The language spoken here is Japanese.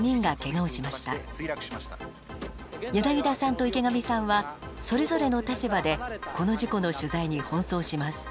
柳田さんと池上さんはそれぞれの立場でこの事故の取材に奔走します。